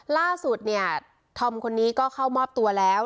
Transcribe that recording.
ล่าสุดเนี่ยธอมคนนี้ก็เข้ามอบตัวแล้ว